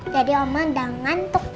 jadi oma udah ngantuk